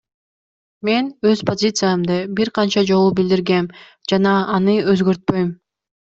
Мен өз позициямды бир канча жолу билдиргем жана аны өзгөртпөйм.